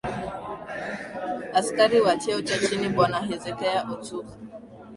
Askari wa cheo cha chini Bwana Hezekiah Ochuka